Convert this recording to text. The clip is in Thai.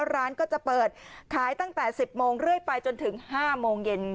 ร้านก็จะเปิดขายตั้งแต่๑๐โมงเรื่อยไปจนถึง๕โมงเย็น